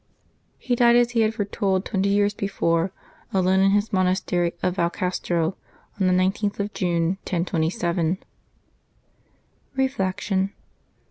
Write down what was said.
He died, as he had foretold twenty years before, alone, in his monastery of Val Castro, on the i9th of June, 1027. Reflection.